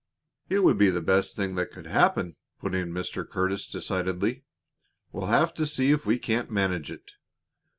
"It would be the best thing that could happen," put in Mr. Curtis, decidedly. "We'll have to see if we can't manage it.